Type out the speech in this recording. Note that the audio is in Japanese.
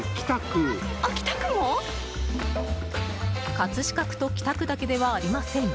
葛飾区と北区だけではありません。